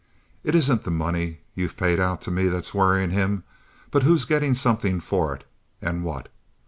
It isn't that money you've paid out to me that's worrying him, but who's getting something for it and what.